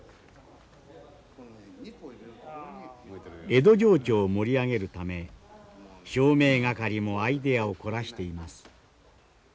江戸情緒を盛り上げるため照明係もアイデアを凝らしています。